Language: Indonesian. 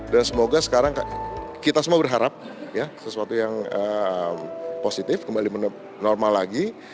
dan semoga sekarang kita semua berharap sesuatu yang positif kembali normal lagi